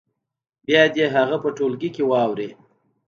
بیا دې هغه په ټولګي کې واوروي.